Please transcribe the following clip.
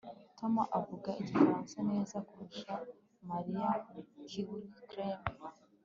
Tom avuga igifaransa neza kurusha Mariya KiwiCreme